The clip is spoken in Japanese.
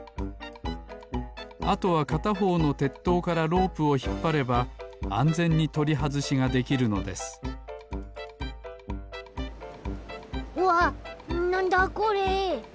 あとはかたほうのてっとうからロープをひっぱればあんぜんにとりはずしができるのですわっなんだこれ！？